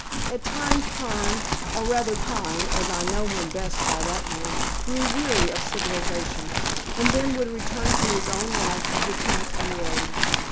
At times Hearne or rather Pine, as I know him best by that name grew weary of civilization, and then would return to his own life of the tent and road.